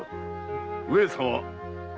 ・上様。